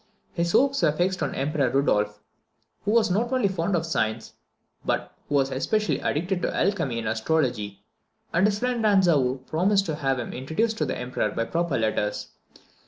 His hopes were fixed on the Emperor Rudolph, who was not only fond of science, but who was especially addicted to alchemy and astrology, and his friend Rantzau promised to have him introduced to the Emperor by proper letters.